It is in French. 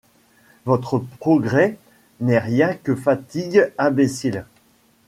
Votre progrès n'est rien que fatigue imbécile !